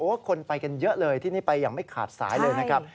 คนไปกันเยอะเลยที่นี่ไปอย่างไม่ขาดสายเลยนะครับ